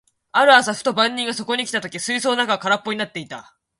ある朝、ふと番人がそこに来た時、水槽の中は空っぽになっていた。